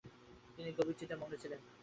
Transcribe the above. তিনি গভীর চিন্তায় মগ্ন ছিলেন।